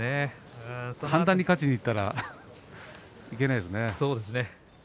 簡単に勝ちにいったらいけないですね。